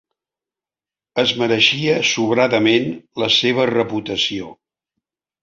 Es mereixia sobradament la seva reputació.